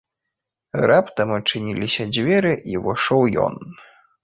Раптам адчыніліся дзверы і ўвайшоў ён.